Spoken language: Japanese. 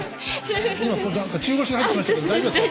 今中腰で入ってきましたけど大丈夫ですか？